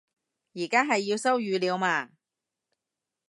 而家係要收語料嘛